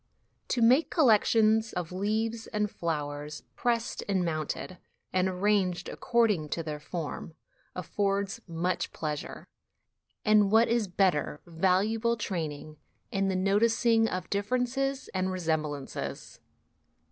To make collections of leaves and flowers, pressed and mounted, and arranged according to their form, affords much pleasure, and, what is better, valuable training 64 HOME EDUCATION in the noticing of differences and resemblances.